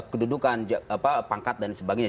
kedudukan pangkat dan sebagainya